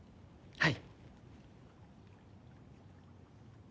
はい。